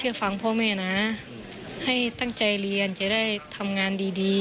อยากให้พ่อไปสบาย